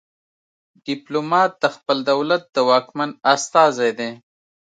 ډیپلومات د خپل دولت د واکمن استازی دی